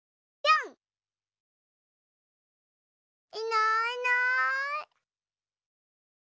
いないいない。